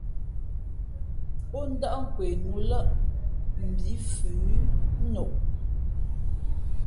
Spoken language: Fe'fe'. Pō ndάʼ kwe nu lαʼ mbī fʉ ά noʼ.